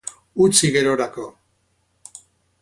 Utzi gerorako.